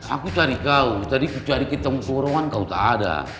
aku cari kau tadi aku cari ke tempat nongkoro kan kau tak ada